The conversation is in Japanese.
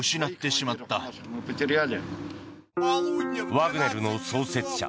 ワグネルの創設者